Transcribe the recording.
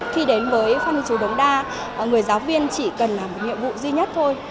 khi đến với phan lưu chú đống đa người giáo viên chỉ cần là một nhiệm vụ duy nhất thôi